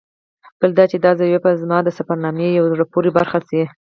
بل دا چې دا زاویه به زما د سفرنامې یوه زړه پورې برخه شي.